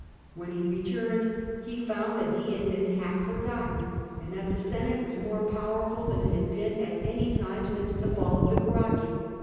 When he returned, he found that he had been half forgotten, and that the Senate was more powerful than it had been 104 from the GRACCHI TO SULLA at ,aiiy time since the fall of the Gracchi.